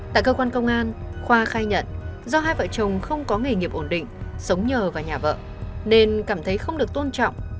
tại cơ quan công an khoa khai nhận do hai vợ chồng không có nghề nghiệp ổn định sống nhờ vào nhà vợ nên cảm thấy không được tôn trọng